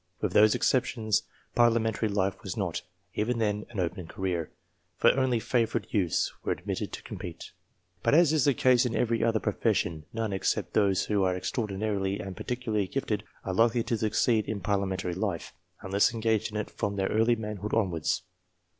With those exceptions, parliamen tary life was not, even then, an open career, for only favoured youths were admitted to compete. But, as is the case in every other profession, none, except those who are extraordinarily and peculiarly gifted, are likely to succeed in parliamentary life, unless engaged in it from their early manhood onwards.